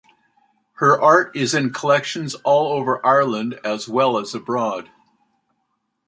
Her art is in collections all over Ireland as well as abroad.